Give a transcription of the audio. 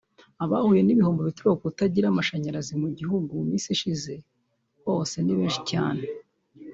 Abahuye n’ibihombo bituruka ku kutagira amashanyarazi mu minsi ishize mu gihugu hose ni benshi cyane